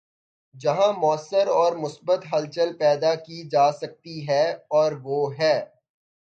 جہاں مؤثر اور مثبت ہلچل پیدا کی جا سکتی ہے‘ اور وہ ہے۔